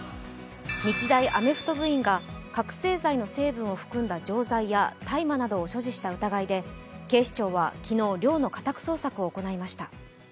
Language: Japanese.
日大アメフト部員が覚醒剤の成分を含んだ錠剤や大麻などを所持した疑いで警視庁は昨日、寮の家宅捜索を行いました。